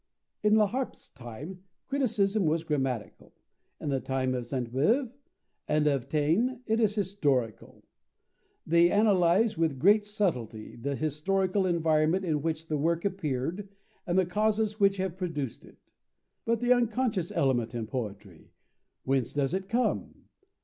"In Laharpe's time, criticism was grammatical; in the time of Sainte Beuve and of Taine, it is historical. They analyse with great subtlety the historical environment in which the work appeared and the causes which have produced it. But the unconscious element In poetry? Whence does It come?